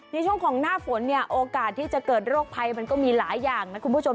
ในช่วงของหน้าฝนเนี่ยโอกาสที่จะเกิดโรคภัยมันก็มีหลายอย่างนะคุณผู้ชม